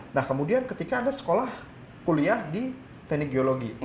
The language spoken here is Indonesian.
nah kemudian ketika ada sekolah kuliah di teknik geologi